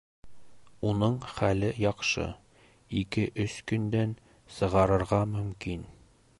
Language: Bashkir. Уның хәле яҡшы, ике-өс көндән сығарырға мөмкин.